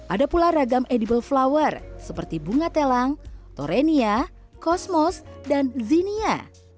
ada pula ragam edible flower seperti bunga telang torenia kosmos dan zinia